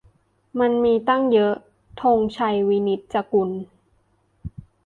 มันมี ตั้งเยอะ - ธงชัย วินิจจะกูล